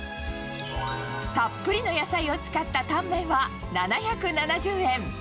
たっぷりの野菜を使ったタンメンは７７０円。